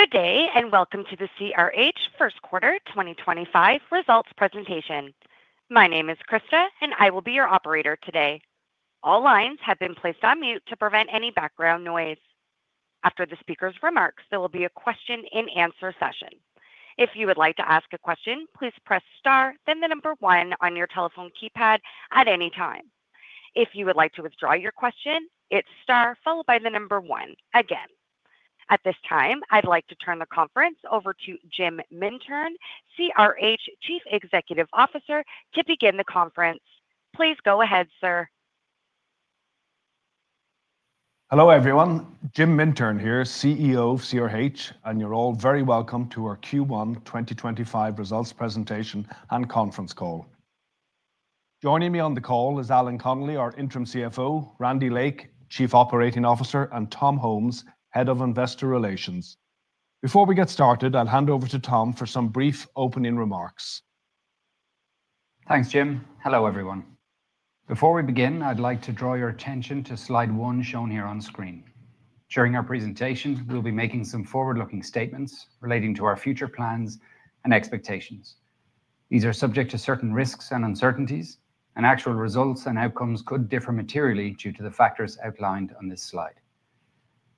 Good day, and welcome to the CRH First Quarter 2025 results presentation. My name is Krista, and I will be your operator today. All lines have been placed on mute to prevent any background noise. After the speaker's remarks, there will be a question-and-answer session. If you would like to ask a question, please press star, then the number one on your telephone keypad at any time. If you would like to withdraw your question, it's star followed by the number one again. At this time, I'd like to turn the conference over to Jim Mintern, CRH Chief Executive Officer, to begin the conference. Please go ahead, sir. Hello, everyone. Jim Mintern here, CEO of CRH, and you're all very welcome to our Q1 2025 results presentation and conference call. Joining me on the call is Alan Connolly, our Interim CFO, Randy Lake, Chief Operating Officer, and Tom Holmes, Head of Investor Relations. Before we get started, I'll hand over to Tom for some brief opening remarks. Thanks, Jim. Hello, everyone. Before we begin, I'd like to draw your attention to slide one shown here on screen. During our presentation, we'll be making some forward-looking statements relating to our future plans and expectations. These are subject to certain risks and uncertainties, and actual results and outcomes could differ materially due to the factors outlined on this slide.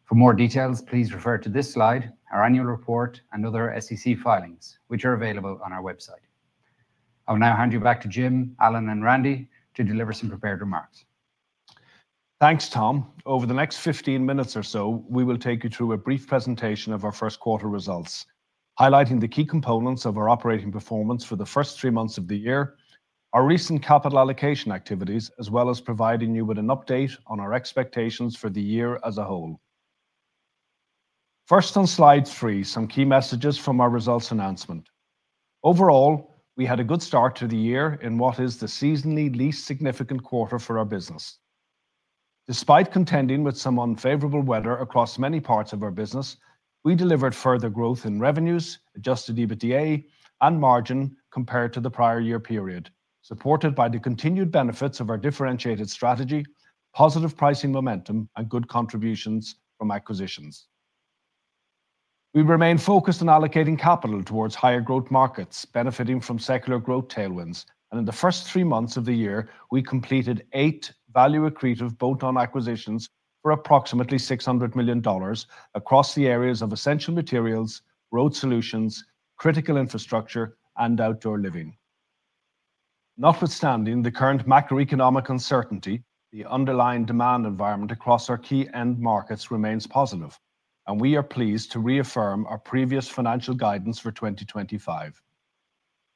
For more details, please refer to this slide, our annual report, and other SEC filings, which are available on our website. I'll now hand you back to Jim, Alan, and Randy to deliver some prepared remarks. Thanks, Tom. Over the next 15 minutes or so, we will take you through a brief presentation of our first quarter results, highlighting the key components of our operating performance for the first three months of the year, our recent capital allocation activities, as well as providing you with an update on our expectations for the year as a whole. First, on slide three, some key messages from our results announcement. Overall, we had a good start to the year in what is the seasonally least significant quarter for our business. Despite contending with some unfavorable weather across many parts of our business, we delivered further growth in revenues, adjusted EBITDA, and margin compared to the prior year period, supported by the continued benefits of our differentiated strategy, positive pricing momentum, and good contributions from acquisitions. We remain focused on allocating capital towards higher growth markets benefiting from secular growth tailwinds, and in the first three months of the year, we completed eight value-accretive bolt-on acquisitions for approximately $600 million across the areas of essential materials, road solutions, critical infrastructure, and outdoor living. Notwithstanding the current macroeconomic uncertainty, the underlying demand environment across our key end markets remains positive, and we are pleased to reaffirm our previous financial guidance for 2025.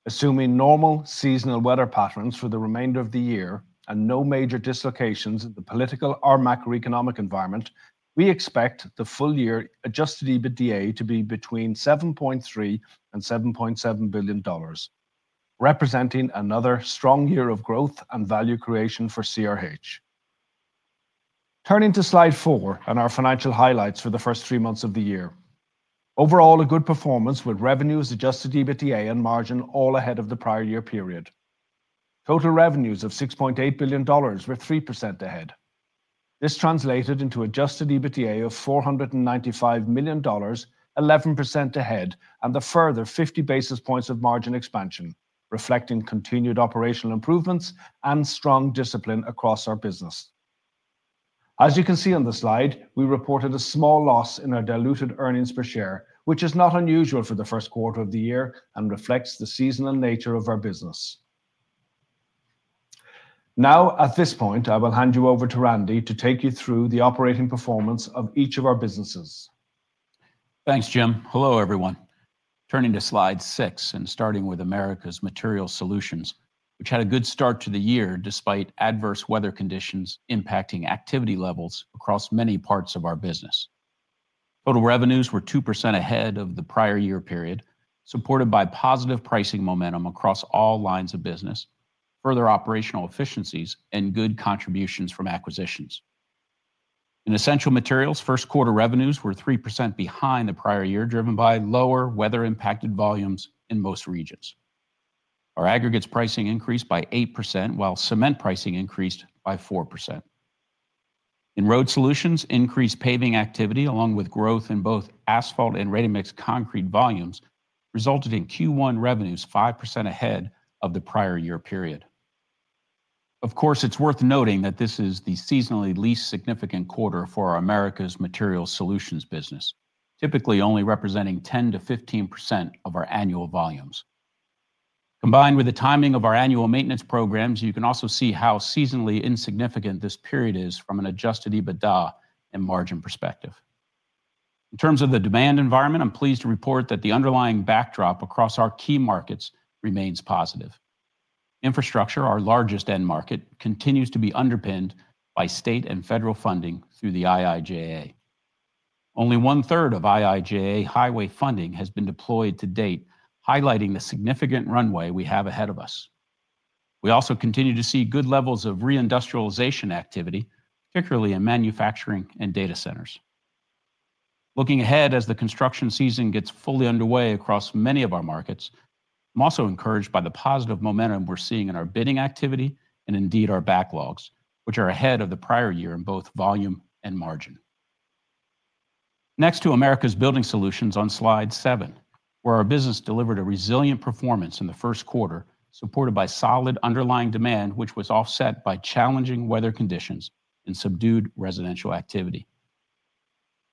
Assuming normal seasonal weather patterns for the remainder of the year and no major dislocations in the political or macroeconomic environment, we expect the full-year adjusted EBITDA to be between $7.3 billion and $7.7 billion, representing another strong year of growth and value creation for CRH. Turning to slide four and our financial highlights for the first three months of the year. Overall, a good performance with revenues, adjusted EBITDA, and margin all ahead of the prior year period. Total revenues of $6.8 billion, we're 3% ahead. This translated into adjusted EBITDA of $495 million, 11% ahead, and the further 50 basis points of margin expansion, reflecting continued operational improvements and strong discipline across our business. As you can see on the slide, we reported a small loss in our diluted earnings per share, which is not unusual for the first quarter of the year and reflects the seasonal nature of our business. Now, at this point, I will hand you over to Randy to take you through the operating performance of each of our businesses. Thanks, Jim. Hello, everyone. Turning to slide six and starting with America's Material Solutions, which had a good start to the year despite adverse weather conditions impacting activity levels across many parts of our business. Total revenues were 2% ahead of the prior year period, supported by positive pricing momentum across all lines of business, further operational efficiencies, and good contributions from acquisitions. In essential materials, first quarter revenues were 3% behind the prior year, driven by lower weather-impacted volumes in most regions. Our aggregates pricing increased by 8%, while cement pricing increased by 4%. In road solutions, increased paving activity, along with growth in both asphalt and ready-mix concrete volumes, resulted in Q1 revenues 5% ahead of the prior year period. Of course, it's worth noting that this is the seasonally least significant quarter for America's Material Solutions business, typically only representing 10%-15% of our annual volumes. Combined with the timing of our annual maintenance programs, you can also see how seasonally insignificant this period is from an adjusted EBITDA and margin perspective. In terms of the demand environment, I'm pleased to report that the underlying backdrop across our key markets remains positive. Infrastructure, our largest end market, continues to be underpinned by state and federal funding through the IIJA. Only 1/3 of IIJA highway funding has been deployed to date, highlighting the significant runway we have ahead of us. We also continue to see good levels of reindustrialization activity, particularly in manufacturing and data centers. Looking ahead as the construction season gets fully underway across many of our markets, I'm also encouraged by the positive momentum we're seeing in our bidding activity and indeed our backlogs, which are ahead of the prior year in both volume and margin. Next to America's Building Solutions on slide seven, where our business delivered a resilient performance in the first quarter, supported by solid underlying demand, which was offset by challenging weather conditions and subdued residential activity.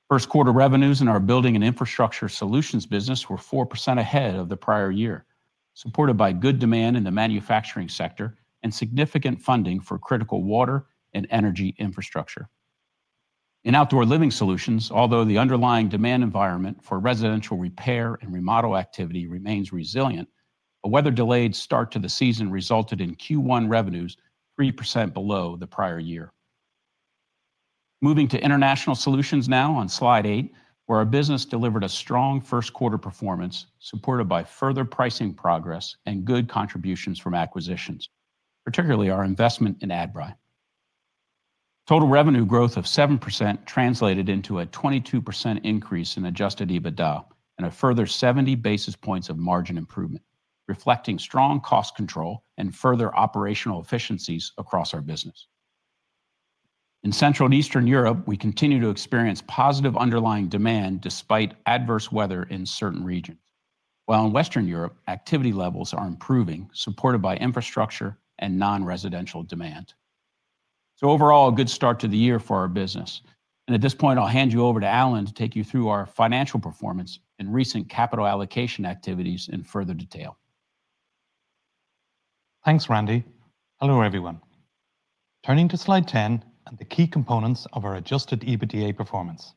First quarter revenues in our building and infrastructure solutions business were 4% ahead of the prior year, supported by good demand in the manufacturing sector and significant funding for critical water and energy infrastructure. In outdoor living solutions, although the underlying demand environment for residential repair and remodel activity remains resilient, a weather-delayed start to the season resulted in Q1 revenues 3% below the prior year. Moving to international solutions now on slide eight, where our business delivered a strong first quarter performance, supported by further pricing progress and good contributions from acquisitions, particularly our investment in Adbri. Total revenue growth of 7% translated into a 22% increase in adjusted EBITDA and a further 70 basis points of margin improvement, reflecting strong cost control and further operational efficiencies across our business. In Central and Eastern Europe, we continue to experience positive underlying demand despite adverse weather in certain regions, while in Western Europe, activity levels are improving, supported by infrastructure and non-residential demand. Overall, a good start to the year for our business. At this point, I'll hand you over to Alan to take you through our financial performance and recent capital allocation activities in further detail. Thanks, Randy. Hello, everyone. Turning to slide 10 and the key components of our adjusted EBITDA performance.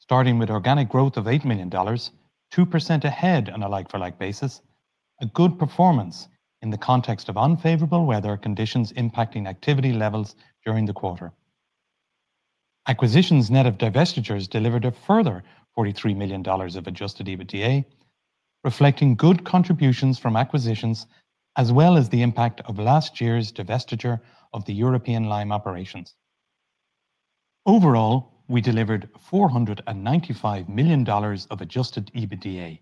Starting with organic growth of $8 million, 2% ahead on a like-for-like basis, a good performance in the context of unfavorable weather conditions impacting activity levels during the quarter. Acquisitions net of divestitures delivered a further $43 million of adjusted EBITDA, reflecting good contributions from acquisitions as well as the impact of last year's divestiture of the European lime operations. Overall, we delivered $495 million of adjusted EBITDA,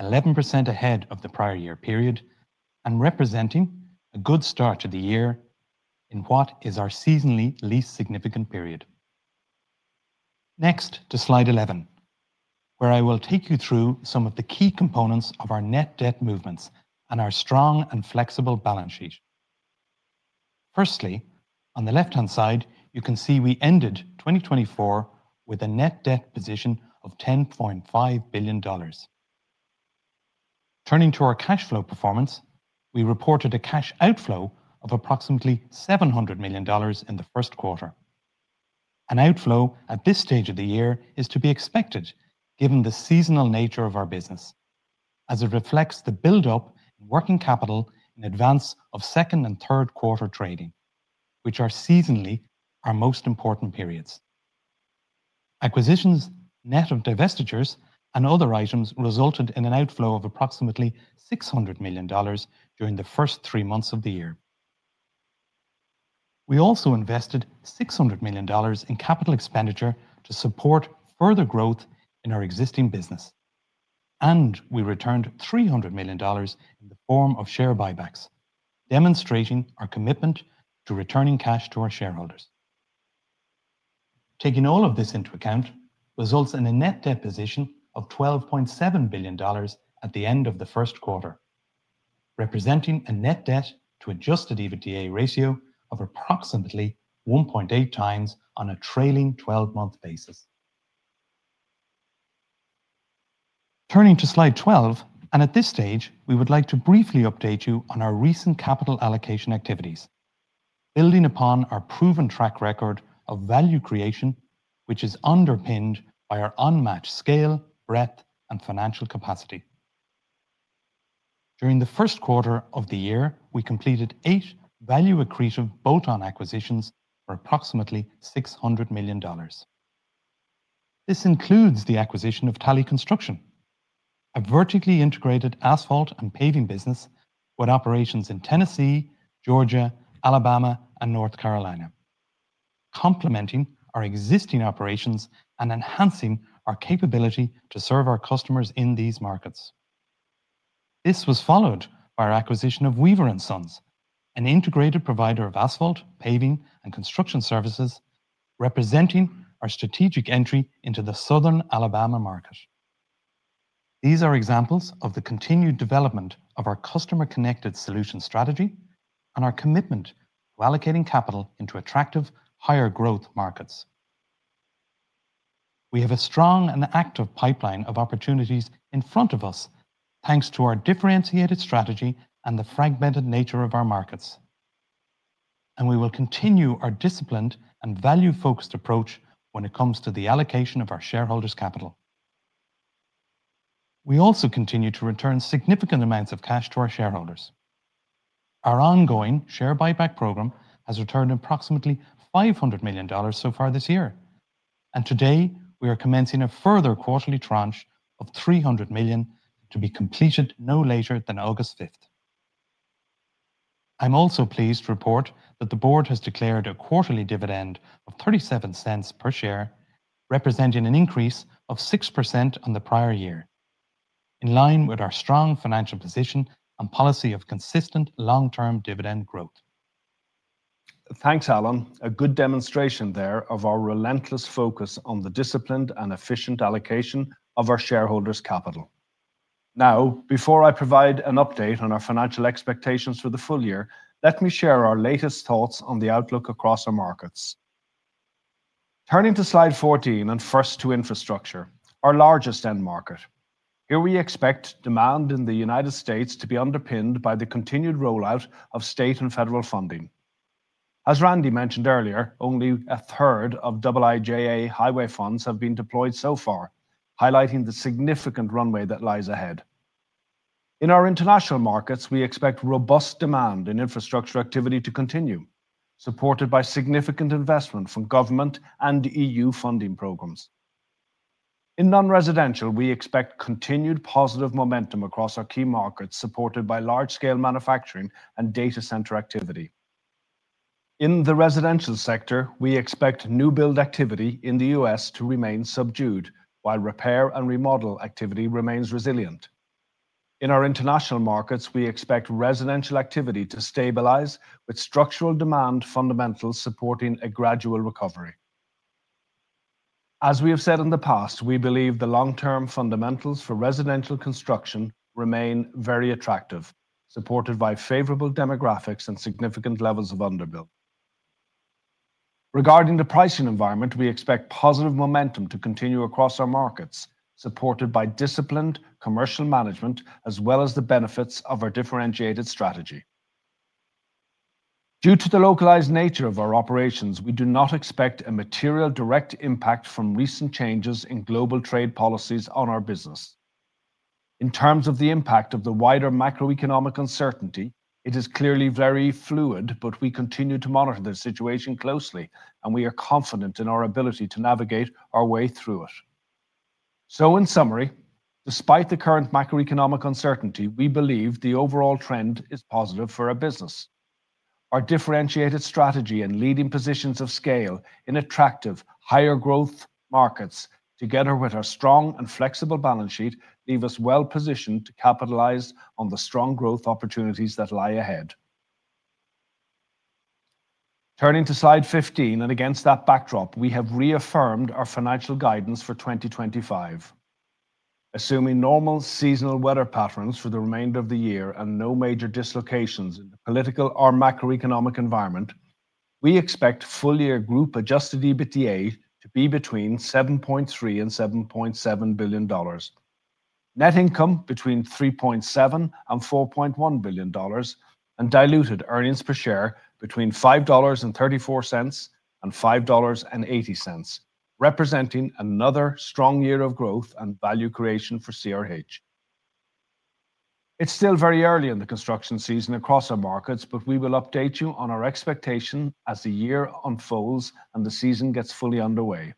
11% ahead of the prior year period, and representing a good start to the year in what is our seasonally least significant period. Next to slide 11, where I will take you through some of the key components of our net debt movements and our strong and flexible balance sheet. Firstly, on the left-hand side, you can see we ended 2024 with a net debt position of $10.5 billion. Turning to our cash flow performance, we reported a cash outflow of approximately $700 million in the first quarter. An outflow at this stage of the year is to be expected given the seasonal nature of our business, as it reflects the buildup in working capital in advance of second and third quarter trading, which are seasonally our most important periods. Acquisitions net of divestitures and other items resulted in an outflow of approximately $600 million during the first three months of the year. We also invested $600 million in capital expenditure to support further growth in our existing business, and we returned $300 million in the form of share buybacks, demonstrating our commitment to returning cash to our shareholders. Taking all of this into account results in a net debt position of $12.7 billion at the end of the first quarter, representing a net debt to adjusted EBITDA ratio of approximately 1.8x on a trailing 12-month basis. Turning to slide 12, and at this stage, we would like to briefly update you on our recent capital allocation activities, building upon our proven track record of value creation, which is underpinned by our unmatched scale, breadth, and financial capacity. During the first quarter of the year, we completed eight value-accretive bolt-on acquisitions for approximately $600 million. This includes the acquisition of Tally Construction, a vertically integrated asphalt and paving business with operations in Tennessee, Georgia, Alabama, and North Carolina, complementing our existing operations and enhancing our capability to serve our customers in these markets. This was followed by our acquisition of Weaver & Sons, an integrated provider of asphalt, paving, and construction services, representing our strategic entry into the Southern Alabama market. These are examples of the continued development of our customer-connected solution strategy and our commitment to allocating capital into attractive, higher-growth markets. We have a strong and active pipeline of opportunities in front of us, thanks to our differentiated strategy and the fragmented nature of our markets, and we will continue our disciplined and value-focused approach when it comes to the allocation of our shareholders' capital. We also continue to return significant amounts of cash to our shareholders. Our ongoing share buyback program has returned approximately $500 million so far this year, and today, we are commencing a further quarterly tranche of $300 million to be completed no later than August 5th. I'm also pleased to report that the board has declared a quarterly dividend of $0.37 per share, representing an increase of 6% on the prior year, in line with our strong financial position and policy of consistent long-term dividend growth. Thanks, Alan. A good demonstration there of our relentless focus on the disciplined and efficient allocation of our shareholders' capital. Now, before I provide an update on our financial expectations for the full year, let me share our latest thoughts on the outlook across our markets. Turning to slide 14 and first to infrastructure, our largest end market. Here we expect demand in the United States to be underpinned by the continued rollout of state and federal funding. As Randy mentioned earlier, only a third of IIJA highway funds have been deployed so far, highlighting the significant runway that lies ahead. In our international markets, we expect robust demand in infrastructure activity to continue, supported by significant investment from government and EU funding programs. In non-residential, we expect continued positive momentum across our key markets, supported by large-scale manufacturing and data center activity. In the residential sector, we expect new build activity in the U.S. to remain subdued, while repair and remodel activity remains resilient. In our international markets, we expect residential activity to stabilize, with structural demand fundamentals supporting a gradual recovery. As we have said in the past, we believe the long-term fundamentals for residential construction remain very attractive, supported by favorable demographics and significant levels of underbuild. Regarding the pricing environment, we expect positive momentum to continue across our markets, supported by disciplined commercial management as well as the benefits of our differentiated strategy. Due to the localized nature of our operations, we do not expect a material direct impact from recent changes in global trade policies on our business. In terms of the impact of the wider macroeconomic uncertainty, it is clearly very fluid, but we continue to monitor the situation closely, and we are confident in our ability to navigate our way through it. In summary, despite the current macroeconomic uncertainty, we believe the overall trend is positive for our business. Our differentiated strategy and leading positions of scale in attractive, higher-growth markets, together with our strong and flexible balance sheet, leave us well positioned to capitalize on the strong growth opportunities that lie ahead. Turning to slide 15, and against that backdrop, we have reaffirmed our financial guidance for 2025. Assuming normal seasonal weather patterns for the remainder of the year and no major dislocations in the political or macroeconomic environment, we expect full-year group adjusted EBITDA to be between $7.3 billion and $7.7 billion, net income between $3.7 billion and $4.1 billion, and diluted earnings per share between $5.34 and $5.80, representing another strong year of growth and value creation for CRH. It is still very early in the construction season across our markets, but we will update you on our expectation as the year unfolds and the season gets fully underway.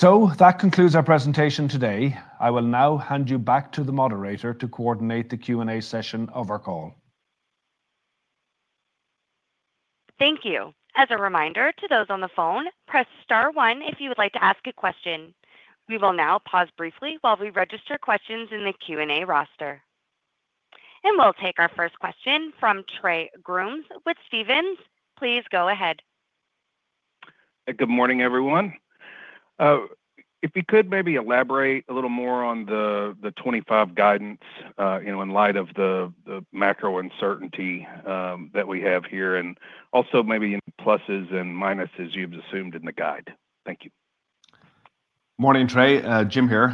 That concludes our presentation today. I will now hand you back to the moderator to coordinate the Q&A session of our call. Thank you. As a reminder to those on the phone, press star one if you would like to ask a question. We will now pause briefly while we register questions in the Q&A roster. We will take our first question from Trey Grooms with Stephens. Please go ahead. Good morning, everyone. If you could maybe elaborate a little more on the 2025 guidance in light of the macro uncertainty that we have here and also maybe in the pluses and minuses you've assumed in the guide. Thank you. Morning, Trey. Jim here.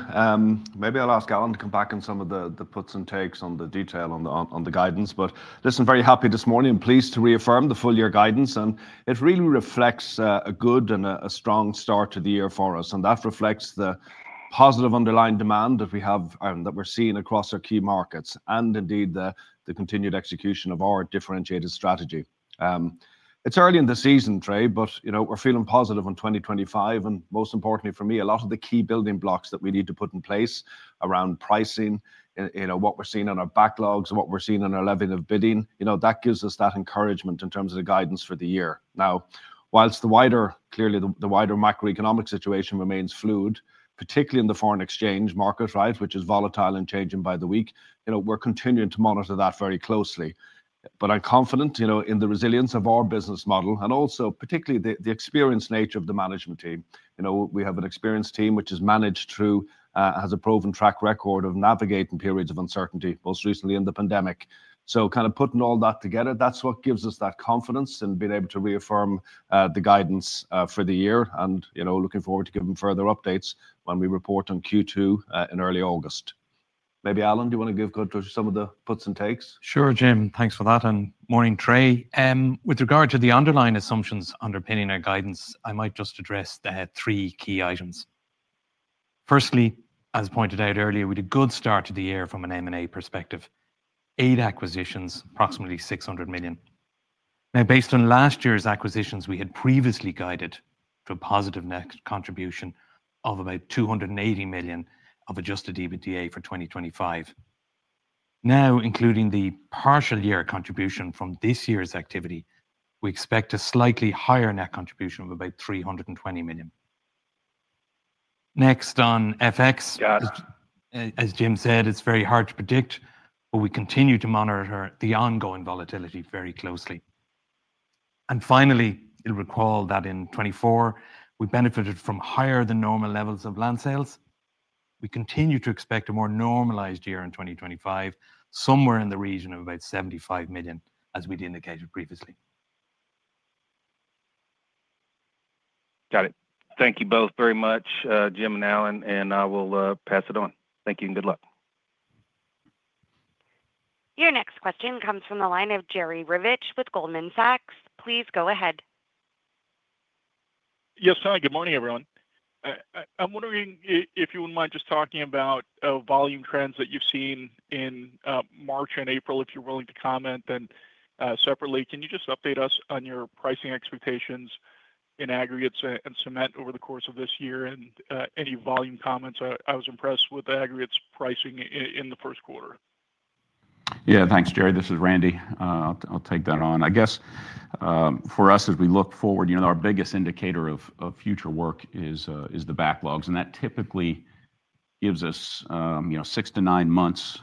Maybe I'll ask Alan to come back on some of the puts and takes on the detail on the guidance. Listen, very happy this morning and pleased to reaffirm the full-year guidance. It really reflects a good and a strong start to the year for us. That reflects the positive underlying demand that we have and that we're seeing across our key markets and indeed the continued execution of our differentiated strategy. It's early in the season, Trey, but we're feeling positive on 2025. Most importantly for me, a lot of the key building blocks that we need to put in place around pricing, what we're seeing on our backlogs, what we're seeing on our level of bidding, that gives us that encouragement in terms of the guidance for the year. Now, whilst the wider macroeconomic situation remains fluid, particularly in the foreign exchange market, which is volatile and changing by the week, we're continuing to monitor that very closely. I'm confident in the resilience of our business model and also particularly the experienced nature of the management team. We have an experienced team which has a proven track record of navigating periods of uncertainty, most recently in the pandemic. Kind of putting all that together, that's what gives us that confidence in being able to reaffirm the guidance for the year and looking forward to giving further updates when we report on Q2 in early August. Maybe Alan, do you want to give some of the puts and takes? Sure, Jim. Thanks for that. Morning, Trey. With regard to the underlying assumptions underpinning our guidance, I might just address the three key items. Firstly, as pointed out earlier, we did a good start to the year from an M&A perspective, eight acquisitions, approximately $600 million. Now, based on last year's acquisitions, we had previously guided to a positive net contribution of about $280 million of adjusted EBITDA for 2025. Now, including the partial year contribution from this year's activity, we expect a slightly higher net contribution of about $320 million. Next on FX, as Jim said, it is very hard to predict, but we continue to monitor the ongoing volatility very closely. Finally, you will recall that in 2024, we benefited from higher than normal levels of land sales. We continue to expect a more normalized year in 2025, somewhere in the region of about $75 million, as we'd indicated previously. Got it. Thank you both very much, Jim and Alan, and I will pass it on. Thank you and good luck. Your next question comes from the line of Jerry Revich with Goldman Sachs. Please go ahead. Yes, hi, good morning, everyone. I'm wondering if you wouldn't mind just talking about volume trends that you've seen in March and April, if you're willing to comment. Separately, can you just update us on your pricing expectations in aggregates and cement over the course of this year and any volume comments? I was impressed with the aggregates pricing in the first quarter. Yeah, thanks, Jerry. This is Randy. I'll take that on. I guess for us, as we look forward, our biggest indicator of future work is the backlogs. That typically gives us six to nine months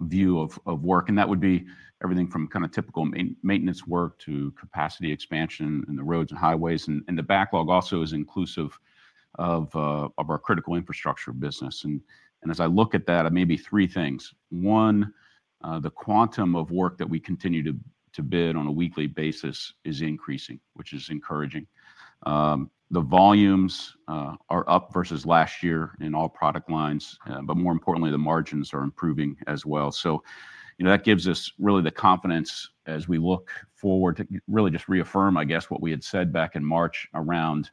view of work. That would be everything from kind of typical maintenance work to capacity expansion in the roads and highways. The backlog also is inclusive of our critical infrastructure business. As I look at that, maybe three things. One, the quantum of work that we continue to bid on a weekly basis is increasing, which is encouraging. The volumes are up versus last year in all product lines, but more importantly, the margins are improving as well. That gives us really the confidence as we look forward to really just reaffirm, I guess, what we had said back in March around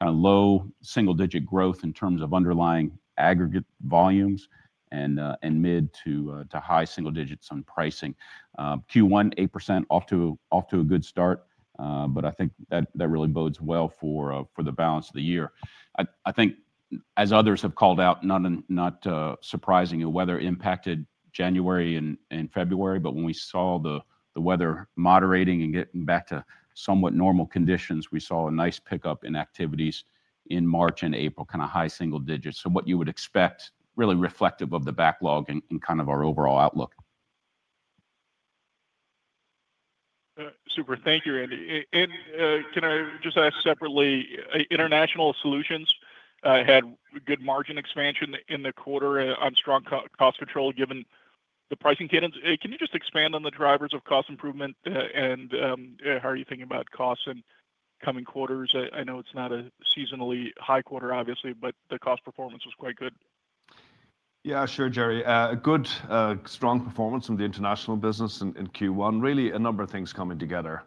kind of low single-digit growth in terms of underlying aggregate volumes and mid to high single digits on pricing. Q1, 8% off to a good start, but I think that really bodes well for the balance of the year. I think, as others have called out, not surprisingly, the weather impacted January and February, but when we saw the weather moderating and getting back to somewhat normal conditions, we saw a nice pickup in activities in March and April, kind of high single digits. What you would expect really reflective of the backlog and kind of our overall outlook. Super. Thank you, Randy. Can I just ask separately, international solutions had good margin expansion in the quarter on strong cost control given the pricing cadence. Can you just expand on the drivers of cost improvement and how are you thinking about costs in coming quarters? I know it's not a seasonally high quarter, obviously, but the cost performance was quite good. Yeah, sure, Jerry. Good, strong performance from the international business in Q1. Really, a number of things coming together.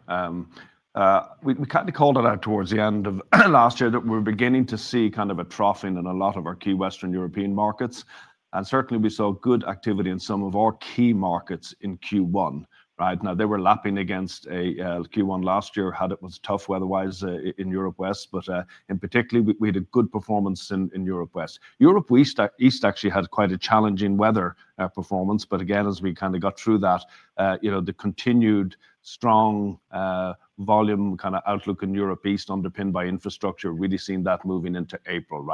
We kind of called it out towards the end of last year that we're beginning to see kind of a trough in a lot of our key Western European markets. Certainly, we saw good activity in some of our key markets in Q1. Now, they were lapping against Q1 last year, how it was tough weather-wise in Europe West, but particularly, we had a good performance in Europe West. Europe East actually had quite a challenging weather performance. Again, as we kind of got through that, the continued strong volume kind of outlook in Europe East, underpinned by infrastructure, really seen that moving into April.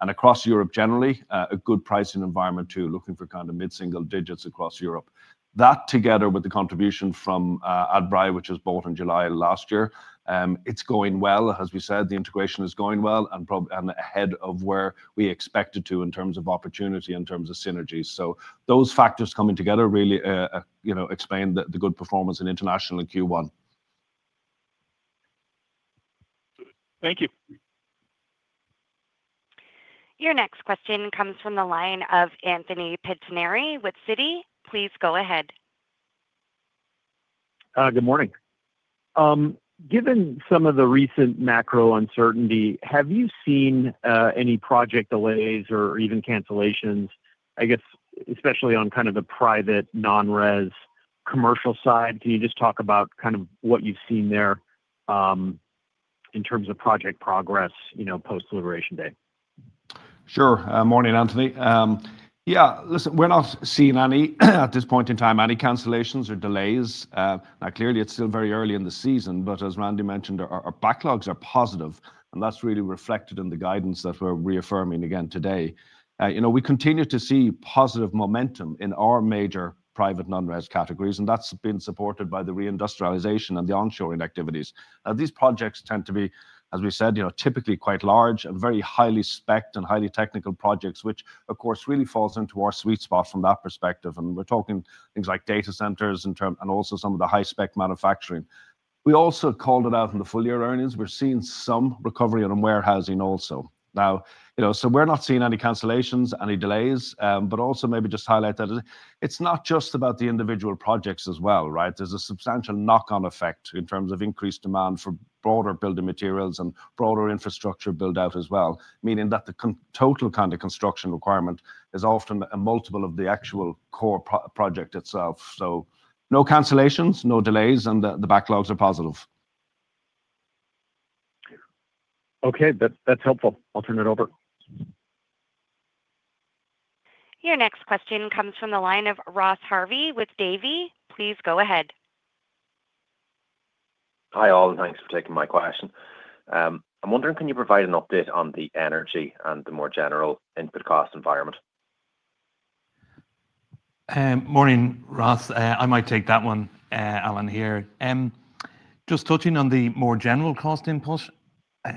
Across Europe generally, a good pricing environment too, looking for kind of mid-single digits across Europe. That together with the contribution from Adbri, which was bought in July last year, it's going well. As we said, the integration is going well and ahead of where we expected to in terms of opportunity, in terms of synergies. Those factors coming together really explain the good performance in international Q1. Thank you. Your next question comes from the line of Anthony Pettinari with Citi. Please go ahead. Good morning. Given some of the recent macro uncertainty, have you seen any project delays or even cancellations, I guess, especially on kind of the private non-res commercial side? Can you just talk about kind of what you've seen there in terms of project progress post-liberation day? Sure. Morning, Anthony. Yeah, listen, we're not seeing any at this point in time, any cancellations or delays. Now, clearly, it's still very early in the season, but as Randy mentioned, our backlogs are positive. That is really reflected in the guidance that we're reaffirming again today. We continue to see positive momentum in our major private non-res categories, and that has been supported by the reindustrialization and the onshoring activities. These projects tend to be, as we said, typically quite large and very highly specced and highly technical projects, which, of course, really falls into our sweet spot from that perspective. We're talking things like data centers and also some of the high-spec manufacturing. We also called it out in the full-year earnings. We're seeing some recovery on warehousing also. Now, so we're not seeing any cancellations, any delays, but also maybe just highlight that it's not just about the individual projects as well. There's a substantial knock-on effect in terms of increased demand for broader building materials and broader infrastructure build-out as well, meaning that the total kind of construction requirement is often a multiple of the actual core project itself. So no cancellations, no delays, and the backlogs are positive. Okay, that's helpful. I'll turn it over. Your next question comes from the line of Ross Harvey with Davy. Please go ahead. Hi, Alan. Thanks for taking my question. I'm wondering, can you provide an update on the energy and the more general input cost environment? Morning, Ross. I might take that one, Alan, here. Just touching on the more general cost input,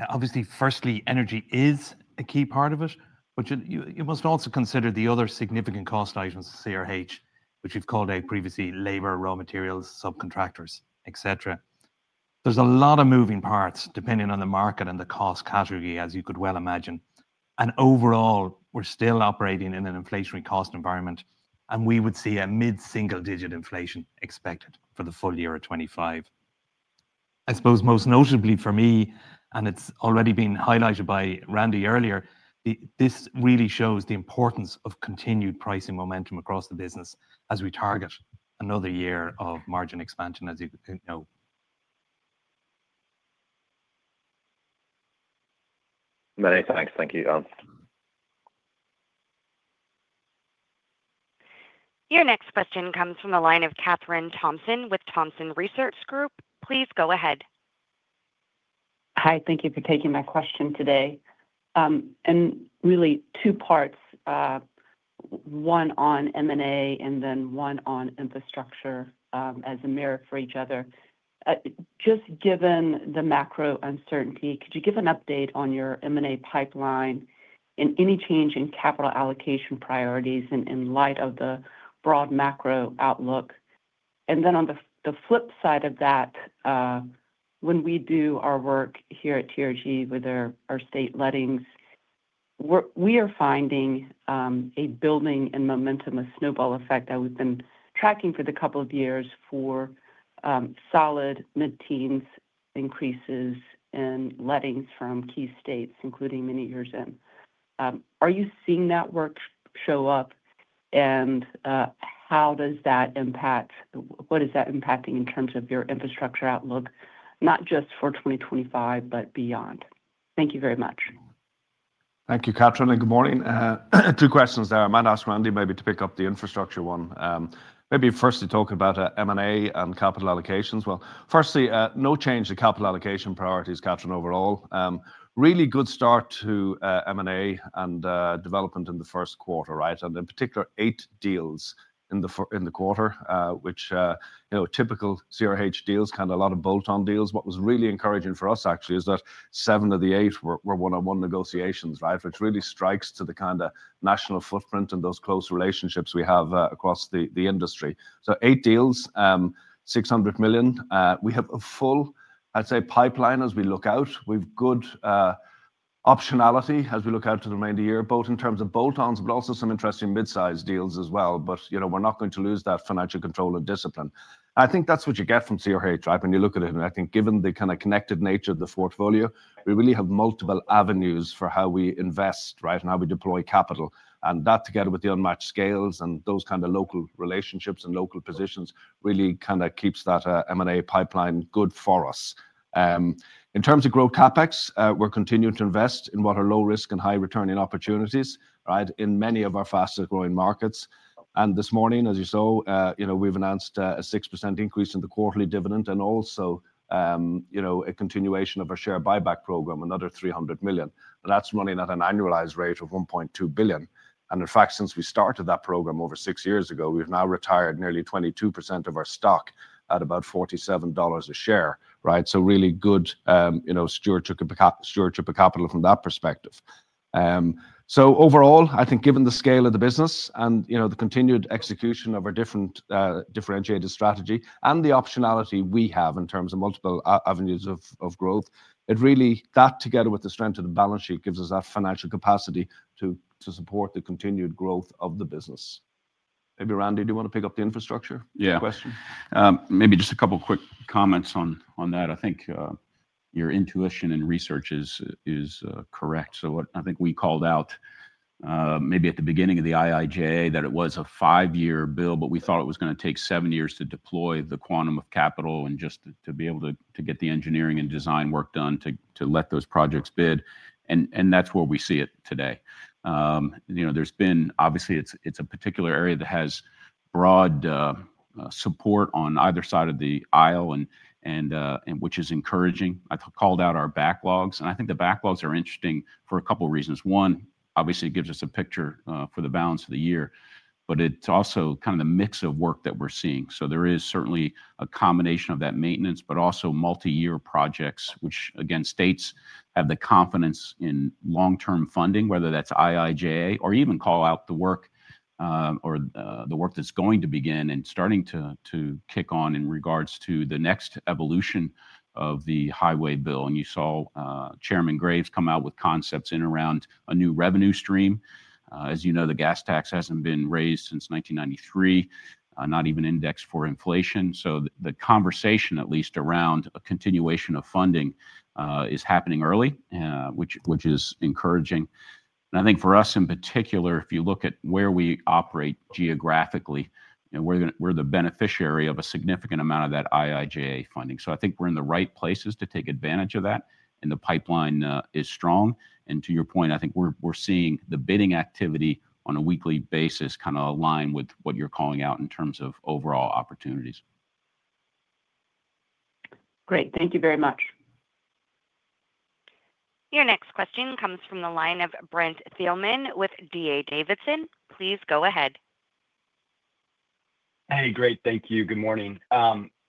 obviously, firstly, energy is a key part of it, but you must also consider the other significant cost items, CRH, which we've called out previously, labor, raw materials, subcontractors, etc. There are a lot of moving parts depending on the market and the cost category, as you could well imagine. Overall, we're still operating in an inflationary cost environment, and we would see a mid-single digit inflation expected for the full year of 2025. I suppose most notably for me, and it's already been highlighted by Randy earlier, this really shows the importance of continued pricing momentum across the business as we target another year of margin expansion, as you know. Many thanks. Thank you, Alan. Your next question comes from the line of Kathryn Thompson with Thompson Research Group. Please go ahead. Hi, thank you for taking my question today. Really, two parts, one on M&A and then one on infrastructure as a mirror for each other. Just given the macro uncertainty, could you give an update on your M&A pipeline and any change in capital allocation priorities in light of the broad macro outlook? On the flip side of that, when we do our work here at TRG with our state lettings, we are finding a building in momentum, a snowball effect that we've been tracking for the couple of years for solid mid-teens increases in lettings from key states, including many years in. Are you seeing that work show up, and how does that impact? What is that impacting in terms of your infrastructure outlook, not just for 2025, but beyond? Thank you very much. Thank you, Kathryn. Good morning. Two questions there. I might ask Randy maybe to pick up the infrastructure one. Maybe firstly talk about M&A and capital allocations. Firstly, no change in capital allocation priorities, Kathryn, overall. Really good start to M&A and development in the first quarter, and in particular, eight deals in the quarter, which typical CRH deals, kind of a lot of bolt-on deals. What was really encouraging for us, actually, is that seven of the eight were one-on-one negotiations, which really strikes to the kind of national footprint and those close relationships we have across the industry. Eight deals, $600 million. We have a full, I'd say, pipeline as we look out. We've good optionality as we look out to the remainder of the year, both in terms of bolt-ons, but also some interesting mid-size deals as well. We're not going to lose that financial control and discipline. I think that's what you get from CRH, right? When you look at it, and I think given the kind of connected nature of the portfolio, we really have multiple avenues for how we invest and how we deploy capital. That together with the unmatched scales and those kind of local relationships and local positions really kind of keeps that M&A pipeline good for us. In terms of growth CapEx, we're continuing to invest in what are low-risk and high-returning opportunities in many of our fastest-growing markets. This morning, as you saw, we've announced a 6% increase in the quarterly dividend and also a continuation of our share buyback program, another $300 million. That's running at an annualized rate of $1.2 billion. In fact, since we started that program over six years ago, we have now retired nearly 22% of our stock at about $47 a share. Really good stewardship of capital from that perspective. Overall, I think given the scale of the business and the continued execution of our differentiated strategy and the optionality we have in terms of multiple avenues of growth, that together with the strength of the balance sheet gives us that financial capacity to support the continued growth of the business. Maybe Randy, do you want to pick up the infrastructure question? Yeah. Maybe just a couple of quick comments on that. I think your intuition and research is correct. I think we called out maybe at the beginning of the IIJA that it was a five-year bill, but we thought it was going to take seven years to deploy the quantum of capital and just to be able to get the engineering and design work done to let those projects bid. That is where we see it today. There has been, obviously, it is a particular area that has broad support on either side of the aisle, which is encouraging. I called out our backlogs. I think the backlogs are interesting for a couple of reasons. One, obviously, it gives us a picture for the balance of the year, but it is also kind of the mix of work that we are seeing. There is certainly a combination of that maintenance, but also multi-year projects, which, again, states have the confidence in long-term funding, whether that's IIJA or even call out the work or the work that's going to begin and starting to kick on in regards to the next evolution of the highway bill. You saw Chairman Graves come out with concepts in around a new revenue stream. As you know, the gas tax hasn't been raised since 1993, not even indexed for inflation. The conversation, at least around a continuation of funding, is happening early, which is encouraging. I think for us in particular, if you look at where we operate geographically, we're the beneficiary of a significant amount of that IIJA funding. I think we're in the right places to take advantage of that, and the pipeline is strong. To your point, I think we're seeing the bidding activity on a weekly basis kind of align with what you're calling out in terms of overall opportunities. Great. Thank you very much. Your next question comes from the line of Brent Thielman with D.A. Davidson. Please go ahead. Hey, great. Thank you. Good morning.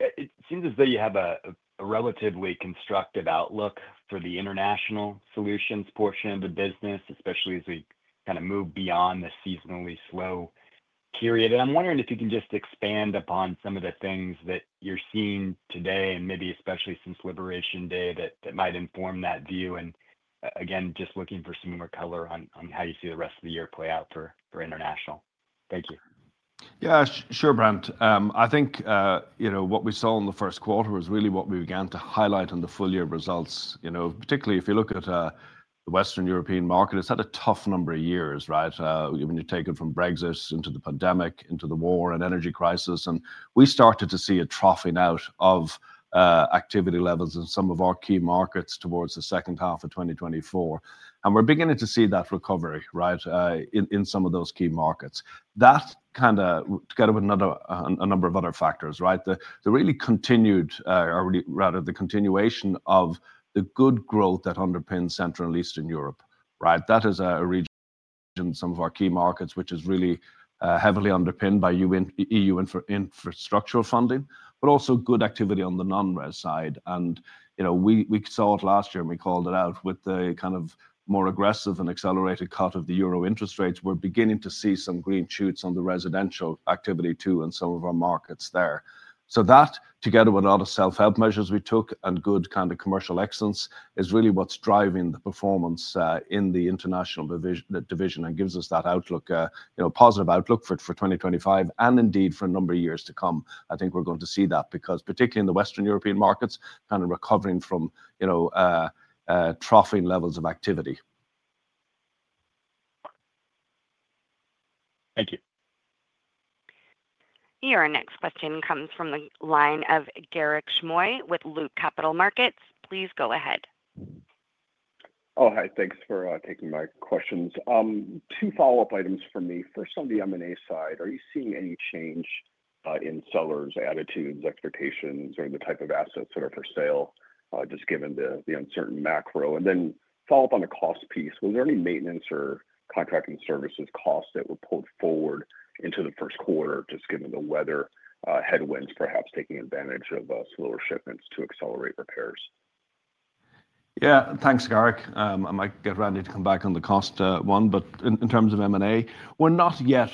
It seems as though you have a relatively constructive outlook for the international solutions portion of the business, especially as we kind of move beyond the seasonally slow period. I am wondering if you can just expand upon some of the things that you're seeing today, and maybe especially since Liberation Day, that might inform that view. I am just looking for some more color on how you see the rest of the year play out for international. Thank you. Yeah, sure, Brent. I think what we saw in the first quarter was really what we began to highlight in the full-year results. Particularly if you look at the Western European market, it has had a tough number of years, even taken from Brexit into the pandemic, into the war and energy crisis. We started to see a troughing out of activity levels in some of our key markets towards the second half of 2024. We are beginning to see that recovery in some of those key markets. That, together with a number of other factors, the continuation of the good growth that underpins Central and Eastern Europe. That has originated in some of our key markets, which is really heavily underpinned by EU infrastructure funding, but also good activity on the non-res side. We saw it last year, and we called it out with the kind of more aggressive and accelerated cut of the euro interest rates. We're beginning to see some green shoots on the residential activity too in some of our markets there. That together with a lot of self-help measures we took and good kind of commercial excellence is really what's driving the performance in the international division and gives us that positive outlook for 2025 and indeed for a number of years to come. I think we're going to see that because particularly in the Western European markets, kind of recovering from troughing levels of activity. Thank you. Your next question comes from the line of Garik Shmois with Loop Capital Markets. Please go ahead. Oh, hi. Thanks for taking my questions. Two follow-up items for me. First, on the M&A side, are you seeing any change in sellers' attitudes, expectations, or the type of assets that are for sale, just given the uncertain macro? Follow-up on the cost piece. Was there any maintenance or contracting services cost that were pulled forward into the first quarter, just given the weather headwinds, perhaps taking advantage of slower shipments to accelerate repairs? Yeah, thanks, Garik. I might get Randy to come back on the cost one, but in terms of M&A, we're not yet,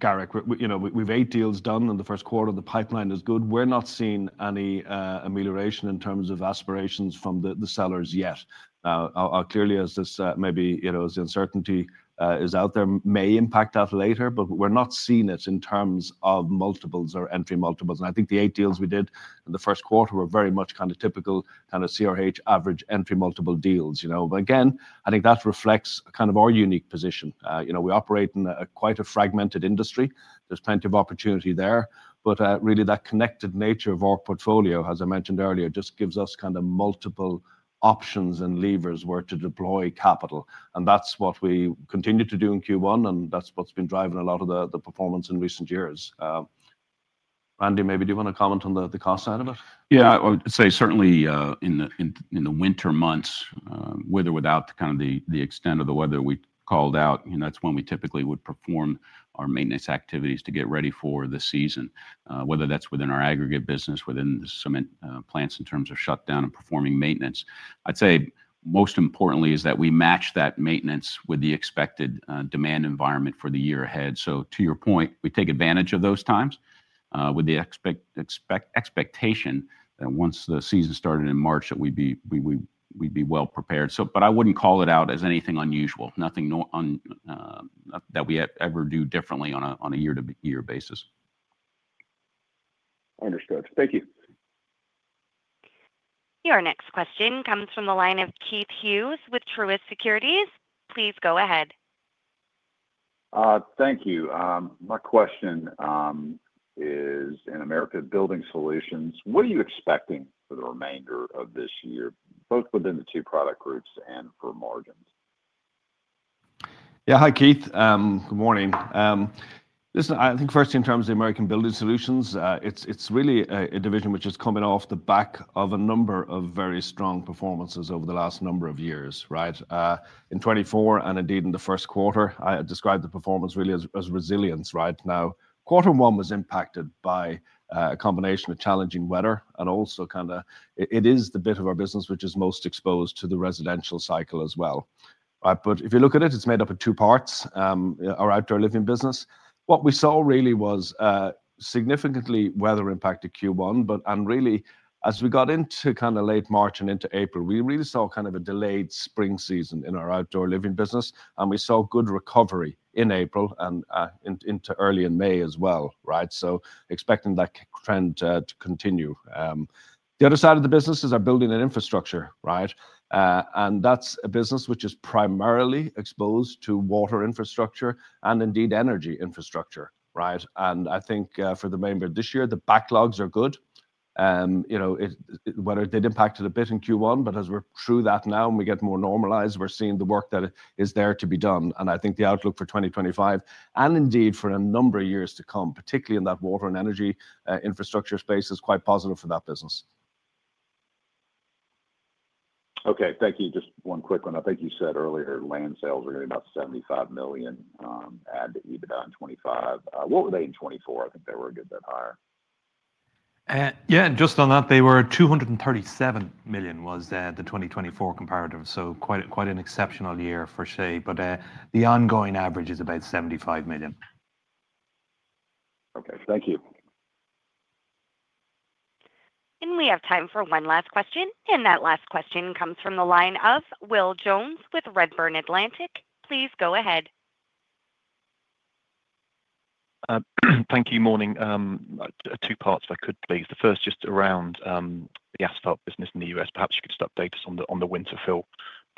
Garik. We've eight deals done, and the first quarter, the pipeline is good. We're not seeing any amelioration in terms of aspirations from the sellers yet. Clearly, as maybe the uncertainty is out there, may impact that later, but we're not seeing it in terms of multiples or entry multiples. I think the eight deals we did in the first quarter were very much kind of typical kind of CRH average entry multiple deals. I think that reflects kind of our unique position. We operate in quite a fragmented industry. There's plenty of opportunity there. That connected nature of our portfolio, as I mentioned earlier, just gives us kind of multiple options and levers where to deploy capital. That is what we continue to do in Q1, and that is what has been driving a lot of the performance in recent years. Randy, maybe do you want to comment on the cost side of it? Yeah, I would say certainly in the winter months, with or without kind of the extent of the weather we called out, that's when we typically would perform our maintenance activities to get ready for the season, whether that's within our aggregates business, within the cement plants in terms of shutdown and performing maintenance. I'd say most importantly is that we match that maintenance with the expected demand environment for the year ahead. To your point, we take advantage of those times with the expectation that once the season started in March, that we'd be well prepared. I wouldn't call it out as anything unusual, nothing that we ever do differently on a year-to-year basis. Understood. Thank you. Your next question comes from the line of Keith Hughes with Truist Securities. Please go ahead. Thank you. My question is in America Building Solutions. What are you expecting for the remainder of this year, both within the two product groups and for margins? Yeah, hi, Keith. Good morning. I think first in terms of American Building Solutions, it's really a division which is coming off the back of a number of very strong performances over the last number of years. In 2024 and indeed in the first quarter, I described the performance really as resilience. Now, quarter one was impacted by a combination of challenging weather. Also, it is the bit of our business which is most exposed to the residential cycle as well. If you look at it, it's made up of two parts, our outdoor living business. What we saw really was significantly weather impacted Q1. Really, as we got into kind of late March and into April, we really saw kind of a delayed spring season in our outdoor living business. We saw good recovery in April and into early in May as well. Expecting that trend to continue. The other side of the business is our building and infrastructure. That's a business which is primarily exposed to water infrastructure and indeed energy infrastructure. I think for the remainder of this year, the backlogs are good, whether it impacted a bit in Q1. As we're through that now and we get more normalized, we're seeing the work that is there to be done. I think the outlook for 2025 and indeed for a number of years to come, particularly in that water and energy infrastructure space, is quite positive for that business. Okay, thank you. Just one quick one. I think you said earlier land sales were going to be about $75 million added to EBITDA in 2025. What were they in 2024? I think they were a good bit higher. Yeah, and just on that, they were $237 million was the 2024 comparative. Quite an exceptional year for shade. The ongoing average is about $75 million. Okay, thank you. We have time for one last question. That last question comes from the line of Will Jones with Redburn Atlantic. Please go ahead. Thank you. Morning. Two parts, if I could, please. The first, just around the asphalt business in the U.S. Perhaps you could start data on the winter fill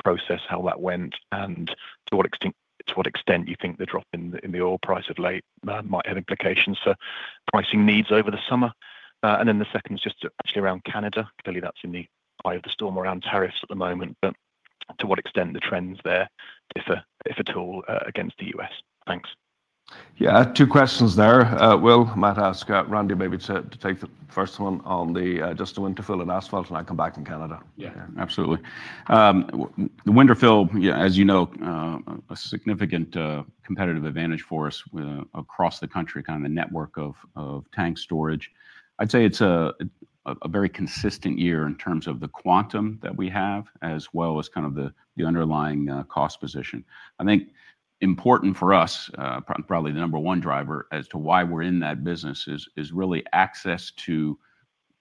process, how that went, and to what extent you think the drop in the oil price of late might have implications for pricing needs over the summer. The second is just actually around Canada. Clearly, that's in the eye of the storm around tariffs at the moment. To what extent the trends there differ at all against the U.S.? Thanks. Yeah, two questions there. Will, Matt, ask Randy maybe to take the first one on just the winter fill and asphalt, and I'll come back in Canada. Yeah, absolutely. The winter fill, as you know, a significant competitive advantage for us across the country, kind of a network of tank storage. I'd say it's a very consistent year in terms of the quantum that we have, as well as kind of the underlying cost position. I think important for us, probably the number one driver as to why we're in that business is really access to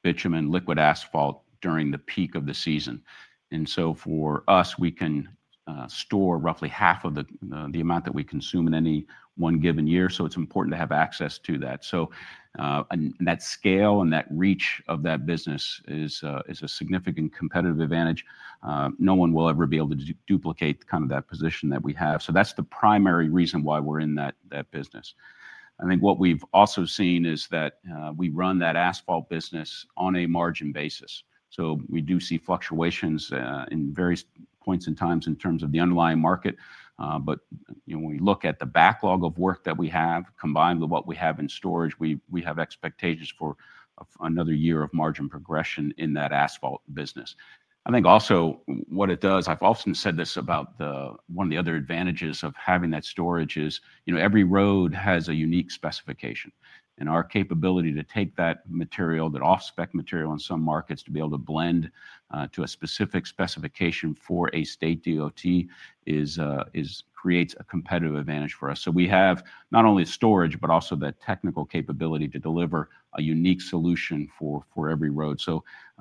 bitumen liquid asphalt during the peak of the season. For us, we can store roughly half of the amount that we consume in any one given year. It's important to have access to that. That scale and that reach of that business is a significant competitive advantage. No one will ever be able to duplicate kind of that position that we have. That's the primary reason why we're in that business. I think what we've also seen is that we run that asphalt business on a margin basis. We do see fluctuations in various points in times in terms of the underlying market. When we look at the backlog of work that we have combined with what we have in storage, we have expectations for another year of margin progression in that asphalt business. I think also what it does, I've often said this about one of the other advantages of having that storage, is every road has a unique specification. Our capability to take that material, that off-spec material in some markets, to be able to blend to a specific specification for a state DOT creates a competitive advantage for us. We have not only storage, but also that technical capability to deliver a unique solution for every road.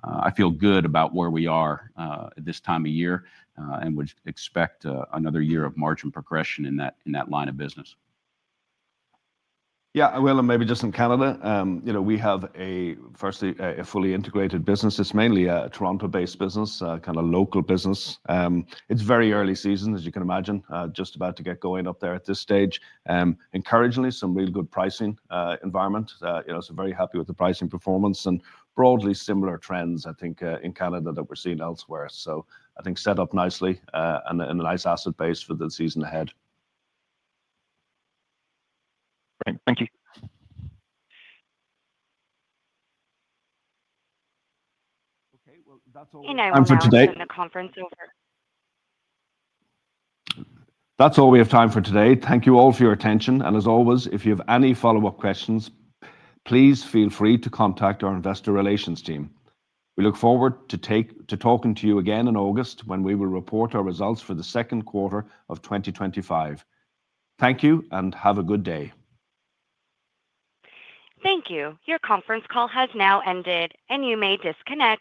I feel good about where we are at this time of year and would expect another year of margin progression in that line of business. Yeah, Will, and maybe just in Canada, we have firstly a fully integrated business. It's mainly a Toronto-based business, kind of local business. It's very early season, as you can imagine, just about to get going up there at this stage. Encouragingly, some really good pricing environment. So very happy with the pricing performance and broadly similar trends, I think, in Canada that we're seeing elsewhere. So I think set up nicely and a nice asset base for the season ahead. Great. Thank you. Okay, that's all. I will conclude the conference over. That's all we have time for today. Thank you all for your attention. As always, if you have any follow-up questions, please feel free to contact our investor relations team. We look forward to talking to you again in August when we will report our results for the second quarter of 2025. Thank you and have a good day. Thank you. Your conference call has now ended, and you may disconnect.